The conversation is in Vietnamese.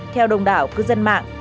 theo đồng đảo cư dân mạng